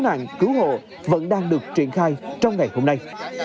công tác tìm kiếm cứu nạn cứu hộ vẫn đang được triển khai trong ngày hôm nay